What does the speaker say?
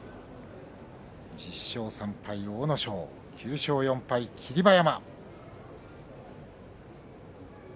１０勝３敗、阿武咲９勝４敗、霧馬山。